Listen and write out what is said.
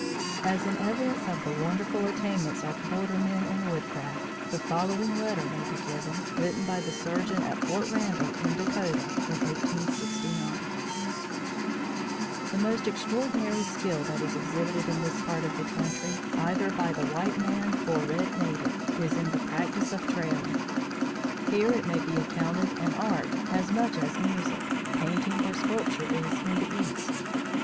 As an evidence of the wonderful attainments of border men in woodcraft, the following letter may be given, written by the surgeon at Fort Randall in Dacotah in 1869: "The most extraordinary skill that is exhibited in this part of the country, either by the white man, or red native, is in the practice of trailing. Here it may be accounted an art as much as music, painting or sculpture is in the East.